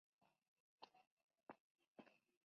Allí se encuentra la imagen de cristo crucificado.